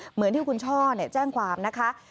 เหมือนที่คุณช่อแจ้งความนะคะ